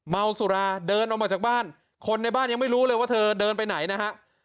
เมาสุราเดินออกมาจากบ้านคนในบ้านยังไม่รู้เลยว่าเธอเดินไปไหนนะฮะ